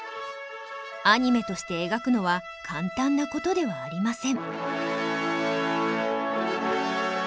アニメとして描くのは簡単なことではありません。